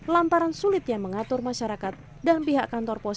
lantaran sulit yang mengatur masyarakat dan pihak kantor pos